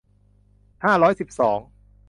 ห้าร้อยสิบสอง